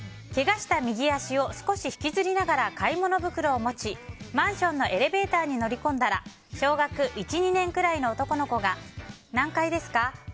けがした右足を少し引きずりながら買い物袋を持ちマンションのエレベーターに乗り込んだら小学１２年くらいの男の子が何階ですか？